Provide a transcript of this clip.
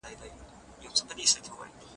جګړه د خلکو د کورونو څخه ارامتیا اخلي.